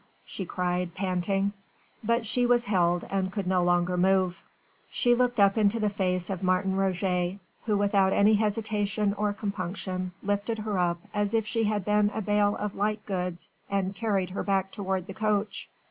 she cried, panting. But she was held and could no longer move. She looked up into the face of Martin Roget, who without any hesitation or compunction lifted her up as if she had been a bale of light goods and carried her back toward the coach.